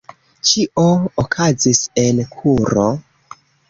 Ĉio okazis en kuro.